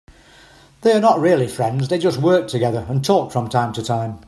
They are not really friends, they just work together and talk from time to time.